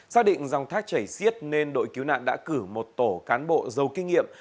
xác định dòng thác chảy xiết nên đội cứu nạn đã cử một tổ cán bộ giàu kinh nghiệm